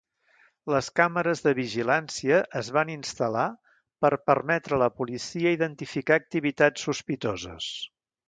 Les càmeres de vigilància es van instal·lar per permetre a la policia identificar activitats sospitoses.